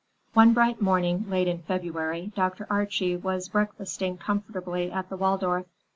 IV One bright morning late in February Dr. Archie was breakfasting comfortably at the Waldorf.